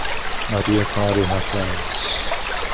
Maria Clara e Rafael